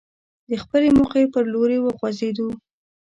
د خپلې موخې پر لوري وخوځېدو.